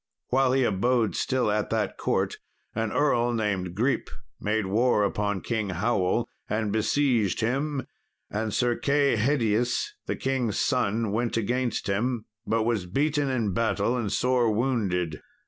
While he abode still at that court, an earl named Grip made war upon King Howell, and besieged him; and Sir Kay Hedius, the king's son, went forth against him, but was beaten in battle and sore wounded.